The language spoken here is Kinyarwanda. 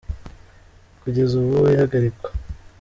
Kugeza ubu ihagarikwa.